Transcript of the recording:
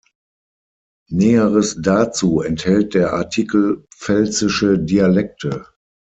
Näheres dazu enthält der Artikel Pfälzische Dialekte.